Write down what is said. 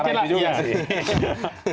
ya seperti itu juga sih